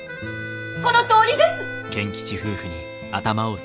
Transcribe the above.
このとおりです！